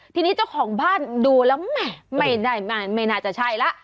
ทีนี้เจ้าของบ้านดูแล้วไม่น่าจะใช่แล้ว